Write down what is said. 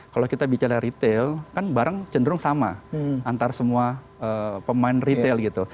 kalau kita bicara retail kan barang cenderung sama antara semua pemain retail gitu